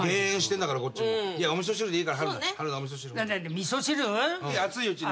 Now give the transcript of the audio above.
味噌汁熱いうちに？